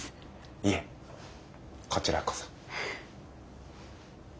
いえこちらこそ。